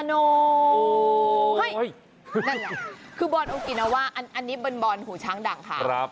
นั่นแหละคือบอลโอกินาว่าอันนี้บอลหูช้างดังค่ะ